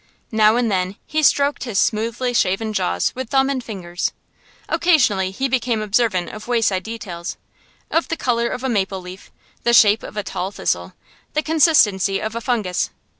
Now and then he stroked his smoothly shaven jaws with thumb and fingers. Occasionally he became observant of wayside details of the colour of a maple leaf, the shape of a tall thistle, the consistency of a fungus.